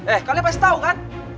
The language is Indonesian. eh kalian pasti tahu kan